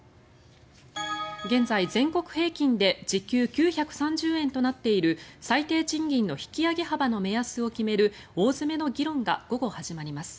現在、全国平均で時給９３０円となっている最低賃金の引き上げ幅の目安を決める大詰めの議論が午後始まります。